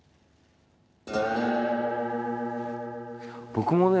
僕もね